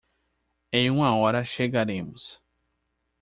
Em uma hora chegaremos